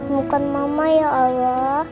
bukan mama ya allah